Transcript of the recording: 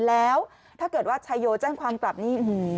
แล้วถ้าเกิดว่าชายโยแจ้งความกลับนี่